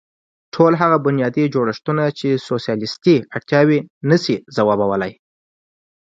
ټول هغه بنیادي جوړښتونه چې سوسیالېستي اړتیاوې نه شي ځوابولی.